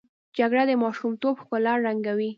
جګړه د ماشومتوب ښکلا ړنګوي